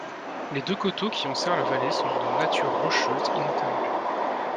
Les deux coteaux qui enserrent la vallée sont de nature rocheuse ininterrompue.